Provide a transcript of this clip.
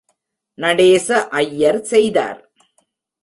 நடேச ஐயர் செய்தார்.